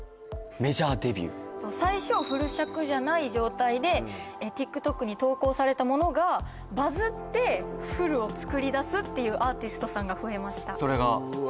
はい最初フル尺じゃない状態でＴｉｋＴｏｋに投稿されたものがバズってフルを作り出すっていうアーティストさんが増えましたうわ